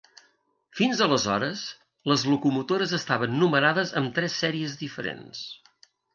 Fins aleshores, les locomotores estaven numerades amb tres sèries diferents.